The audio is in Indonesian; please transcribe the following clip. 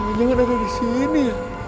ini kan ada di sini